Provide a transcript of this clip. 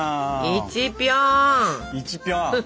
１ぴょん！